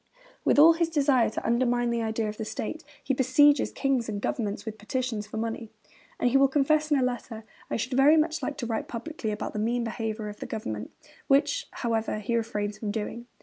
With all his desire to 'undermine the idea of the state,' he besieges king and government with petitions for money; and he will confess in a letter, 'I should very much like to write publicly about the mean behaviour of the government,' which, however, he refrains from doing.